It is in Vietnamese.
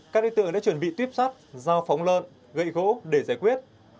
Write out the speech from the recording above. các đối tượng đã chuẩn bị tuyếp sắt dao phóng lợn gậy gỗ để giải quyết